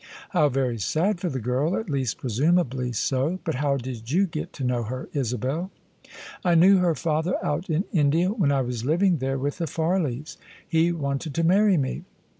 " How very sad for the girl — ^at least, presumably sol But how did you get to know her, Isabel ?"" I knew her father out in India when I was living there with the Parleys. He wanted to marry me."